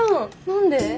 何で？